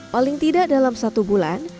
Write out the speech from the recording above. paling tidak dalam satu bulan